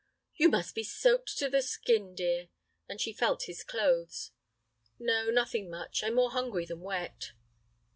"You must be soaked to the skin, dear," and she felt his clothes. "No, nothing much. I'm more hungry than wet."